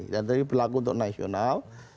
dan ini berlaku untuk nasional